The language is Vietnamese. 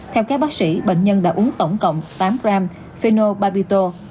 theo các bác sĩ bệnh nhân đã uống tổng cộng tám gram phenol babito